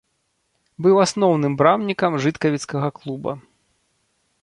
Быў асноўным брамнікам жыткавіцкага клуба.